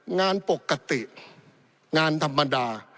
งานปกติงานธรรมดา